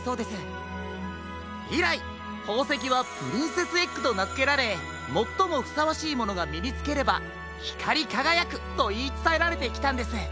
いらいほうせきはプリンセスエッグとなづけられもっともふさわしいものがみにつければひかりかがやくといいつたえられてきたんです。